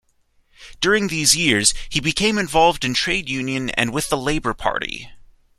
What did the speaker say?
During these years he became involved in trade union and with the Labour Party.